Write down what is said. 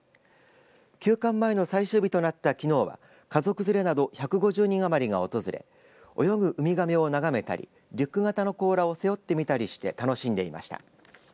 休館前の最終日となったきのうは家族連れなど１５０人余りが訪れ泳ぐウミガメを眺めたりリュック型の甲羅を背負ってみたりして楽しんでいました。